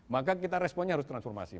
maka kita responnya harus transformasi